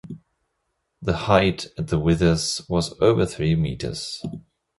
The height at the withers was over three meters.